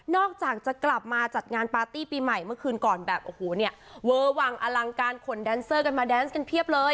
อกจากจะกลับมาจัดงานปาร์ตี้ปีใหม่เมื่อคืนก่อนแบบโอ้โหเนี่ยเวอร์วังอลังการขนแดนเซอร์กันมาแดนส์กันเพียบเลย